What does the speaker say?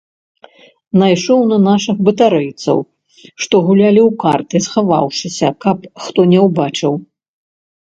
Найшоў на нашых батарэйцаў, што гулялі ў карты, схаваўшыся, каб хто не ўбачыў.